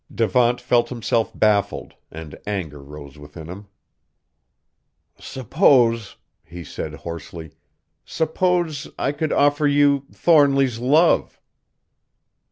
Devant felt himself baffled, and anger arose within him. "Suppose," he said hoarsely, "suppose I could offer you Thornly's love?"